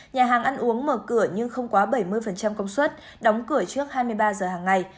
nhà hàng ăn uống mở cửa nhưng không quá bảy mươi công suất đóng cửa trước hai mươi ba giờ hàng ngày